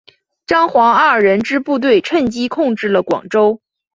张黄二人之部队趁机控制了广州。